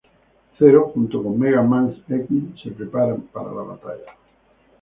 Zero junto con Mega Man X, se prepara para la batalla.